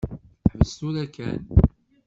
Ḥbes tura kan.